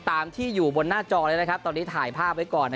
ตามที่อยู่บนหน้าจอเลยนะครับตอนนี้ถ่ายภาพไว้ก่อน